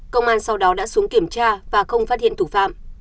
công an sau đó đã xuống kiểm tra và không phát hiện thủ phạm